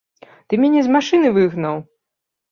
Ты мяне з машыны выгнаў!